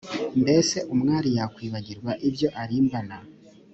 mbese umwari yakwibagirwa ibyo arimbana